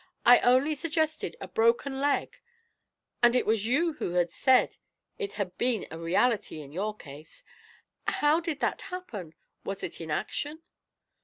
I only suggested a broken leg, and it was you who said it had been a reality in your case. How did it happen? Was it in action?"